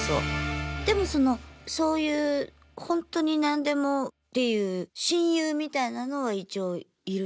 でもそういうほんとに何でもっていう親友みたいなのは一応いる？